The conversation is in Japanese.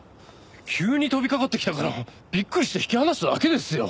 急に飛びかかってきたからびっくりして引き離しただけですよ。